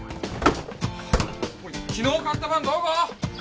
おい昨日買ったパンどこ？